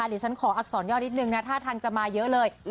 เดี๋ยวฉันขออักษรย่อนิดนึงนะท่าทางจะมาเยอะเลย